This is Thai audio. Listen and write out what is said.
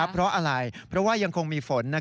เพราะอะไรเพราะว่ายังคงมีฝน